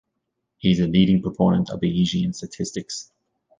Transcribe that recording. He is a leading proponent of Bayesian statistics.